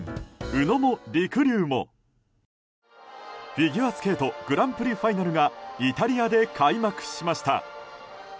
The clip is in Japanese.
フィギュアスケートグランプリファイナルがイタリアで開幕しました。